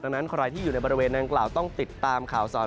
ดังนั้นใครที่อยู่ในบริเวณนางกล่าวต้องติดตามข่าวสาร